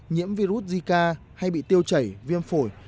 nhiễm virus zika hay bị tiêu chảy viêm phổi